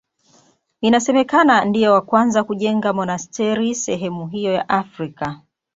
Inasemekana ndiye wa kwanza kujenga monasteri sehemu hiyo ya Afrika.